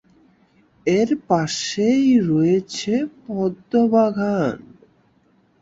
এর পাশেই রয়েছে পদ্মবাগান।